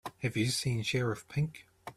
Have you seen Sheriff Pink?